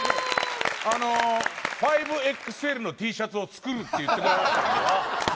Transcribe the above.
５ＸＬのＴシャツを作るって言ってくださったから。